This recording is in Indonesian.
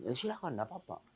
ya silahkan tidak apa apa